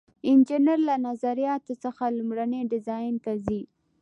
انجینر له نظریاتو څخه لومړني ډیزاین ته ځي.